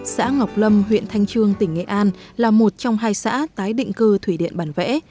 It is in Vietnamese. xã ngọc lâm huyện thanh trương tỉnh nghệ an là một trong hai xã tái định cư thủy điện bản vẽ